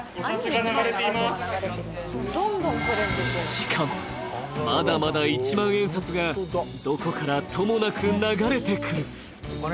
しかも、まだまだ一万円札がどこからともなく流れてくる。